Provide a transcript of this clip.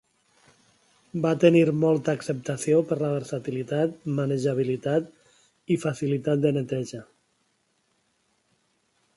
Va tenir molta acceptació per la versatilitat, manejabilitat i facilitat de neteja.